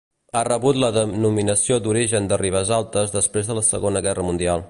Ha rebut la denominació d'origen de Ribesaltes després de la Segona Guerra Mundial.